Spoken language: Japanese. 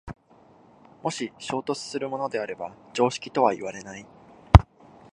もし衝突するものであれば常識とはいわれない。